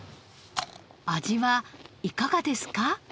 味はいかがですか？